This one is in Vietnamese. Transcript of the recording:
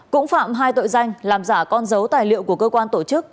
cũng phạm hai tội danh làm giả con dấu tài liệu của cơ quan tổ chức